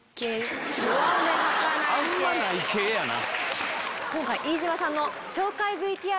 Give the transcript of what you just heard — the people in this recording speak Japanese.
あんまない系やな。